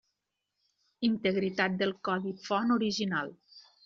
Integritat del codi font original.